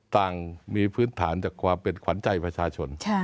ต่างมีพื้นฐานจากความเป็นขวัญใจประชาชน